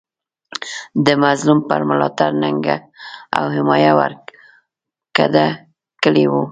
د مظلوم په ملاتړ ننګه او حمایه ورګډه کړې وه.